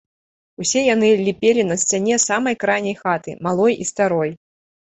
Усе яны ліпелі на сцяне самай крайняй хаты, малой і старой.